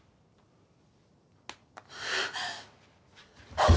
あっ。